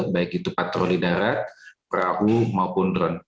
baik itu patroli darat perahu maupun drone